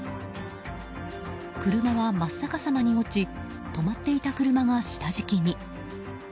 車は真っ逆さまに落ち止まっていた車が下敷きに。